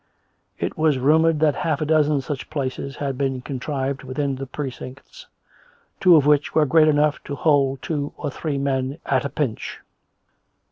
It was rumored that half a dozen such places had been contrived within the precincts', two of which were great enough to hold two or three men at a pinch.